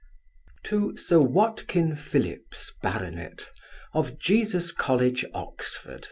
To Sir WATKIN PHILLIPS, Bart. of Jesus college, Oxon.